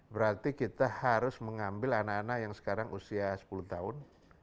berarti kita harus mengambil anak anak yang sekarang usia sepuluh tahun